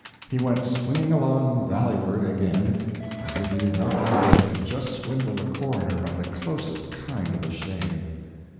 He went swinging along valleyward again, as if he did not know he had just swindled a coroner by the closest kind of a shave.